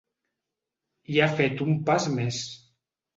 I ha fet un pas més.